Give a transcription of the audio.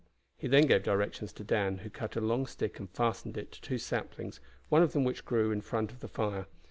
He then gave directions to Dan, who cut a long stick and fastened it to two saplings, one of which grew just in front of the fire.